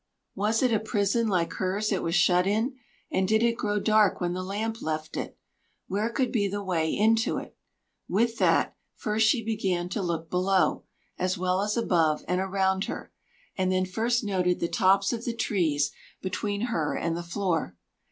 Was it a prison like hers it was shut in? and did it grow dark when the lamp left it? Where could be the way into it? With that, first she began to look below, as well as above and around her, and then first noted the tops of the trees between her and the floor.